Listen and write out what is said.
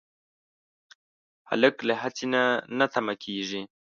هلک له هڅې نه نه تم کېږي.